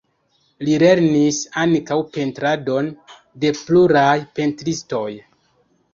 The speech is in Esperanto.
Li lernis ankaŭ pentradon de pluraj pentristoj.